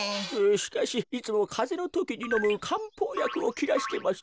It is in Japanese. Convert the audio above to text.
しかしいつもかぜのときにのむかんぽうやくをきらしてまして。